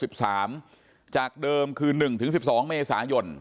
สิบสามจากเดิมคือหนึ่งถึงสิบสองเมษายน